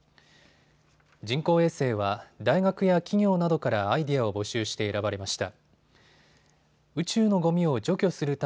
人工衛星は大学や企業などからアイデアを募集して選ばれました。